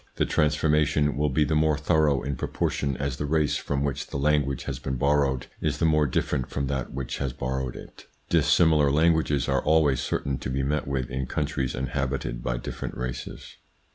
The transformation will be the more thorough in proportion as the race from which the language has been borrowed is the more different from that which has borrowed it. Dissimilar languages are always certain to be met with in countries inhabited by different races.